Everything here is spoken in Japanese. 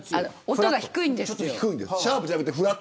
音が低いんです。